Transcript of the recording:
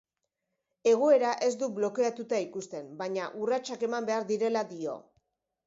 Egoera ez du blokeatuta ikusten, baina urratsak eman behar direla dio.